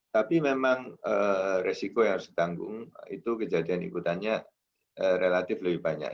tapi memang resiko yang harus ditanggung itu kejadian ikutannya relatif lebih banyak